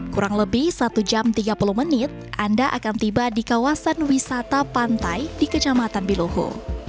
kurang lebih satu jam tiga puluh menit anda akan tiba di kawasan wisata pantai di kecamatan biluhu